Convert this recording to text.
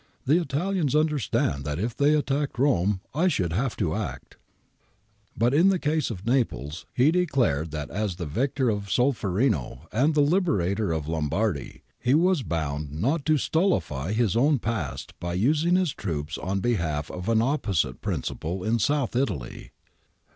The Italians understand that if they attacked Rome I should have to act' But in the case of Naples he declared that as the victor of Solferino and the liber ator of Lombardy, he was bound not to stultify his own past by using his troops on behalf of an opposite prin ciple in South Italy.